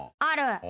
ある。